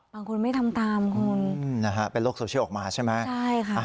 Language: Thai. บางคนไม่ทำตามคุณนะฮะเป็นโลกโซเชียลออกมาใช่ไหมใช่ค่ะ